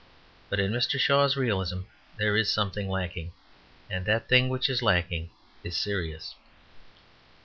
But in Mr. Shaw's realism there is something lacking, and that thing which is lacking is serious.